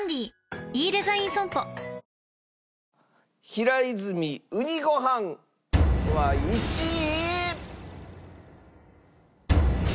平泉うにごはんは１位。